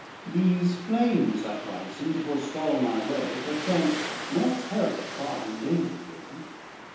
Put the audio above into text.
These flames uprisen to forestall my way Perchance more terror far than danger bring.